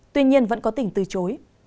tuy nhiên vẫn có tỉnh từ chối